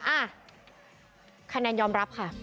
อ่ะคะแนนยอมรับค่ะ